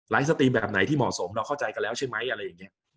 สตรีมแบบไหนที่เหมาะสมเราเข้าใจกันแล้วใช่ไหมอะไรอย่างนี้